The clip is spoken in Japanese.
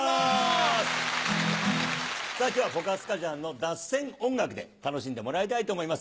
さぁ今日はポカスカジャンの脱線音楽で楽しんでもらいたいと思います。